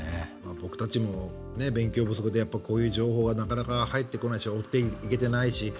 僕たちも勉強不足でこういう情報がなかなか入ってこないし追っていけてないし。